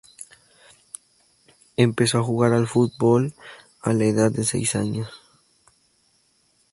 Empezó a jugar al fútbol a la edad de seis años.